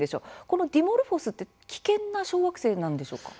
このディモルフォスって危険な小惑星なんでしょうか？